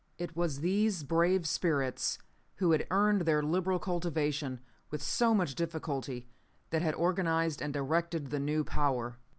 It was these brave spirits who had earned their liberal cultivation with so much difficulty, that had organized and directed the new power.